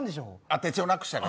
手帳なくしたから。